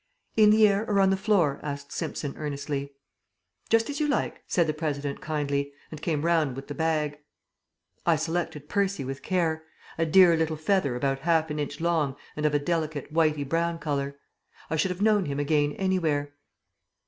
"In the air or on the floor?" asked Simpson earnestly. "Just as you like," said the President kindly, and came round with the bag. I selected Percy with care a dear little feather about half an inch long and of a delicate whity brown colour. I should have known him again anywhere.